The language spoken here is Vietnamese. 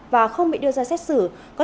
và không bị đưa ra xét xử